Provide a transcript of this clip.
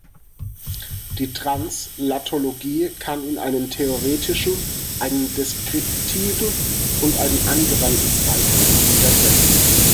Die Translatologie kann in einen theoretischen, einen deskriptiven und einen angewandten Zweig gegliedert werden.